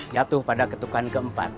yatuh pada ketukan keempat